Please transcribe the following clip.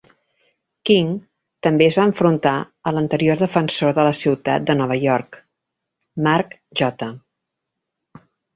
King també es va enfrontar a l'anterior defensor de la ciutat de Nova York, Mark J.